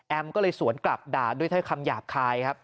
ก็เลยสวนกลับด่าด้วยถ้อยคำหยาบคายครับ